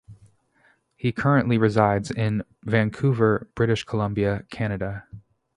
He currently resides in Vancouver, British Columbia, Canada.